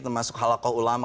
termasuk halakha ulama